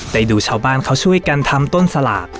ได้ดูชาวบ้านเขาช่วยกันทำต้นสลาก